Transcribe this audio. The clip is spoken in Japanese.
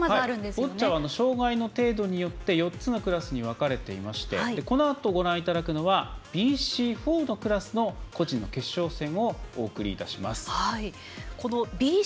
ボッチャは障がいの程度によって４つのクラスに分かれてましてこのあとご覧いただくのはＢＣ４のクラスの個人の決勝戦をお送りいたします。